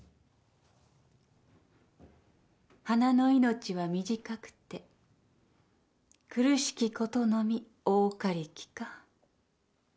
「花の命は短くて苦しきことのみ多かりき」か。